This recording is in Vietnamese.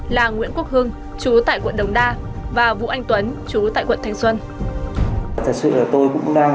là nguyễn quốc hưng chú tại quận đồng đa và vũ anh tuấn chú tại quận thanh xuân